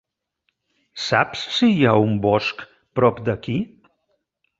Saps si hi ha un bosc prop d'aquí?